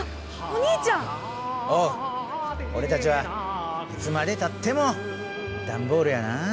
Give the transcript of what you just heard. おう俺たちはいつまでたってもダンボールやなあ。